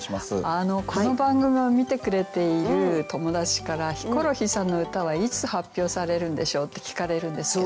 この番組を見てくれている友達から「ヒコロヒーさんの歌はいつ発表されるんでしょう？」って聞かれるんですけど。